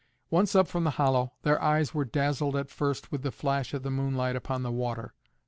Once up from the hollow, their eyes were dazzled at first with the flash of the moonlight upon the water.